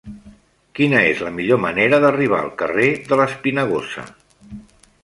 Quina és la millor manera d'arribar al carrer de l'Espinagosa?